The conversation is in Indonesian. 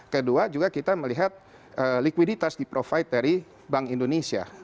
kedua juga kita melihat likuiditas di provide dari bank indonesia